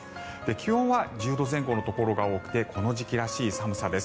気温は１０度前後のところが多くてこの時期らしい寒さです。